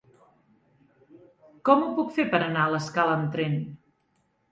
Com ho puc fer per anar a l'Escala amb tren?